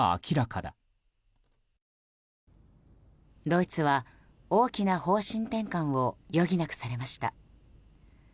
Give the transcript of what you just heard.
ドイツは、大きな方針転換を余儀なくされました。